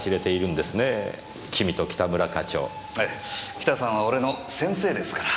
キタさんは俺の先生ですから。